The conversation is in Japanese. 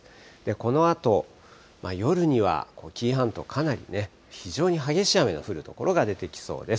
このあと夜には紀伊半島、かなりね、非常に激しい雨の降る所が出てきそうです。